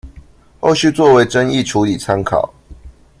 後續作為爭議處理參考